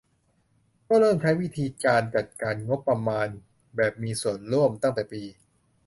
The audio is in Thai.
ก็เริ่มใช้วิธีการจัดการงบประมาณแบบมีส่วนร่วมตั้งแต่ปี